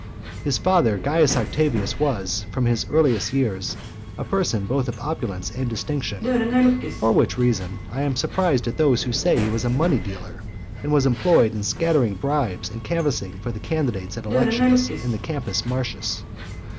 III. His father Caius Octavius was, from his earliest years, a person both of opulence and distinction: for which reason I am surprised at those who say that he was a money dealer , and was employed in scattering bribes, and canvassing for the candidates at elections, in the Campus Martius.